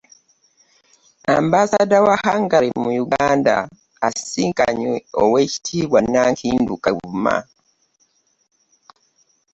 Ambasada wa Hungary mu Uganda asisinkanye oweekitiibwa Nankindu Kavuma